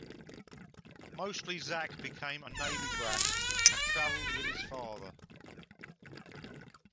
Mostly Zack became a Navy brat and travelled with his father.